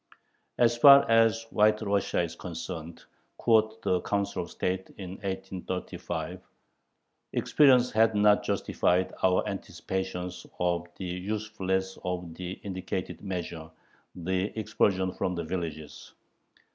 As far as White Russia is concerned quoth the Council of State in 1835 experience has not justified our anticipations of the usefulness of the indicated measure [the expulsion from the villages].